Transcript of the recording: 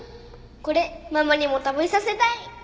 これママにも食べさせたい。